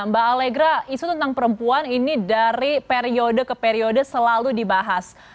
mbak alegra isu tentang perempuan ini dari periode ke periode selalu dibahas